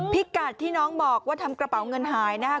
พิกัดที่น้องบอกว่าทำกระเป๋าเงินหายนะครับ